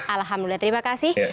alhamdulillah terima kasih